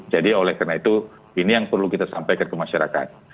jadi oleh karena itu ini yang perlu kita sampaikan ke masyarakat